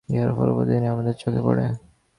ইহার ফল প্রতিদিনই আমাদের চোখে পড়ে।